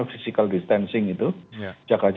tidak ada sisanya